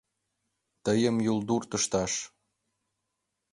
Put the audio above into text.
— Тыйым юлдурт ышташ!